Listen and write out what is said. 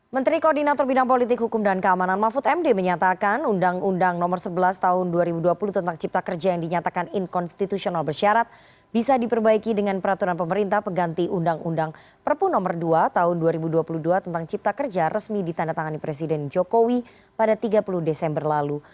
menteri koordinator bidang politik hukum dan keamanan mahfud md menyatakan undang undang nomor sebelas tahun dua ribu dua puluh tentang cipta kerja yang dinyatakan inkonstitusional bersyarat bisa diperbaiki dengan peraturan pemerintah pengganti undang undang perpu nomor dua tahun dua ribu dua puluh dua tentang cipta kerja resmi ditandatangani presiden jokowi pada tiga puluh desember lalu